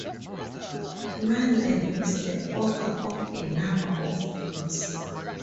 Mandel is the author of a number of books.